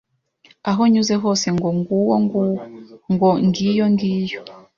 Aho nyuze hose ngo nguwo nguwo! Ngo ngiyo ! ngiyo !